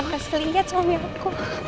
nggak bisa liat suami aku